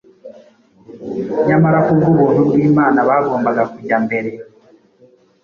nyamara kubw’ubuntu bw’Imana bagombaga kujya mbere,